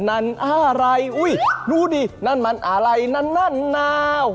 นั่นอะไรรู้ที่นั่นมันอะไรนั่นน้า